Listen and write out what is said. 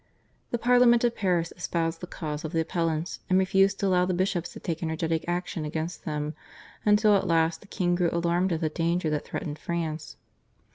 The Parliament of Paris espoused the cause of the /Appellants/, and refused to allow the bishops to take energetic action against them, until at last the king grew alarmed at the danger that threatened France.